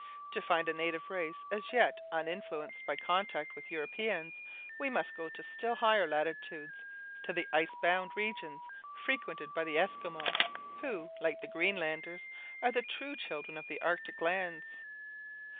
To find a native race as yet uninfluenced by contact with Europeans we must go to still higher latitudes, to the ice bound regions frequented by the Esquimaux, who, like the Greenlanders, are the true children of Arctic lands.